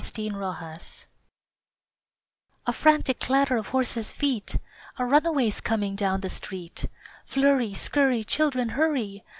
THE RUNAWAY A frantic clatter of horses' feet! A runaway's coming down the street! Flurry, scurry, Children, hurry!